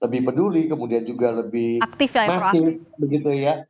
lebih peduli kemudian juga lebih masif begitu ya